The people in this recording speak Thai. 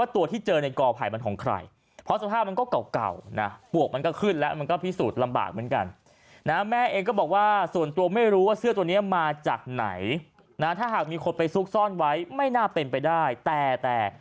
แต่ว่าก็ไม่แน่ใจว่าตัวที่เจอในกอไผ่มันของใคร